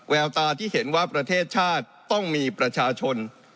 แววตาที่เห็นว่าประเทศชาติต้องมีประชาชน